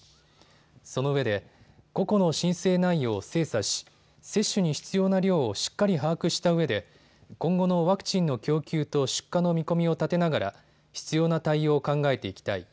そのうえで個々の申請内容を精査し接種に必要な量をしっかり把握したうえで今後のワクチンの供給と出荷の見込みを立てながら必要な対応を考えていきたい。